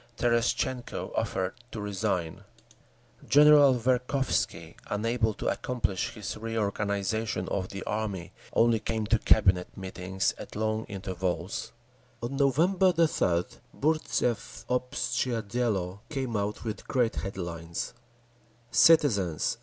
Terestchenko offered to resign…. General Verkhovsky, unable to accomplish his reorganisation of the army, only came to Cabinet meetings at long intervals…. On November 3d Burtzev's Obshtchee Dielo came out with great headlines: Citizens!